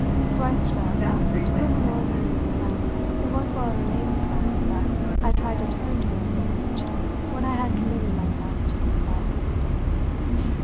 So I stood up, to put her more at her ease, and it was while I remained before her that I tried to turn to her advantage what I had committed myself to about Brissenden.